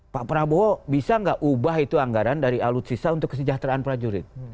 pak prabowo bisa nggak ubah itu anggaran dari alutsista untuk kesejahteraan prajurit